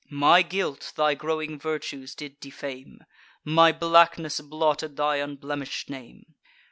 My guilt thy growing virtues did defame; My blackness blotted thy unblemish'd name.